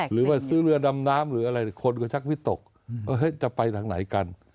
หรือว่าซื้อเรือดำน้ำหรืออะไรคนก็ชักวิตกจะไปทางไหนกัน